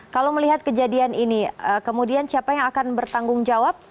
kalau melihat kejadian ini kemudian siapa yang akan bertanggung jawab